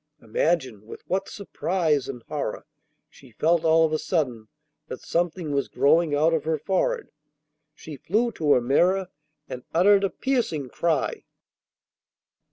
Imagine with what surprise and horror she felt all of a sudden that something was growing out of her forehead. She flew to her mirror and uttered a piercing cry.